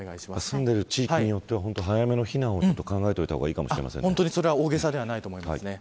住んでいる地域によっては早めの避難を考えた方が本当に、それは大げさではないと思います。